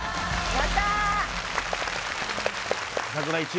やったー！